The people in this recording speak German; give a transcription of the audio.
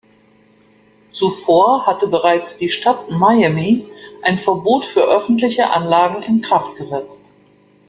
Zuvor hatte bereits die Stadt Miami ein Verbot für öffentliche Anlagen in Kraft gesetzt.